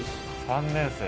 ３年生。